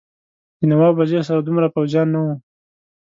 د نواب وزیر سره دومره پوځیان نه وو.